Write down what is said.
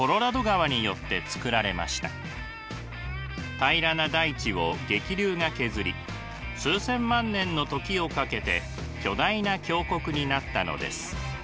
平らな大地を激流が削り数千万年の時をかけて巨大な峡谷になったのです。